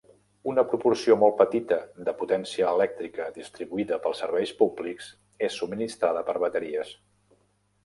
Una proporció molt petita de potència elèctrica distribuïda pels serveis públics és subministrada per bateries.